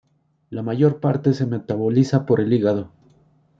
La mayor parte se metaboliza por el hígado.